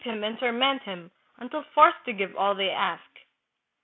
165 him and torment him, until forced to give all they ask.